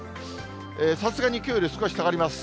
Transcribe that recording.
さすがにきょうより少し下がります。